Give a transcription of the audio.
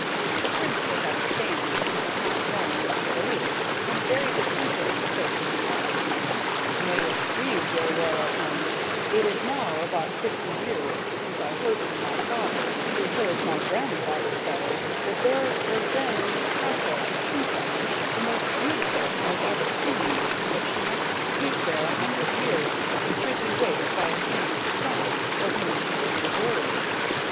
The Prince was at a stand, not knowing what to believe, when a very good countryman spake to him thus: "May it please your royal highness, it is now about fifty years since I heard from my father, who heard my grandfather say, that there was then in this castle a princess, the most beautiful was ever seen; that she must sleep there a hundred years, and should be waked by a king's son, for whom she was reserved."